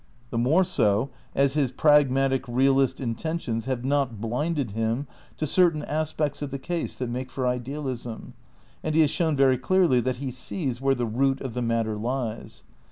The more so, as his pragmatic realist intentions have not blinded him to certain aspects of the case that make for idealism, and he has shown very clearly that he sees where the root of the matter lies.